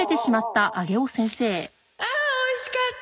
ああおいしかった。